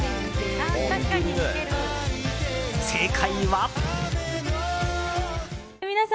正解は。